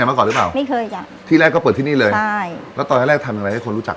มรึเปล่าไหมเคยที่แรกก็เปิดที่นี่เลยแต่ตอนแรกทำอะไรให้คนรู้จัก